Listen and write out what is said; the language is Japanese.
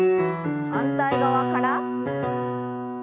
反対側から。